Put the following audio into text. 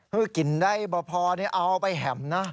คือกินได้พอเอาไปแห่มนะ